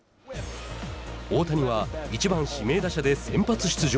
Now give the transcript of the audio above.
大谷は１番指名打者で先発出場。